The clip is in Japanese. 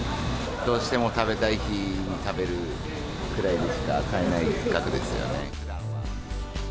どうしても食べたい日に食べるくらいにしか買えない額ですよね。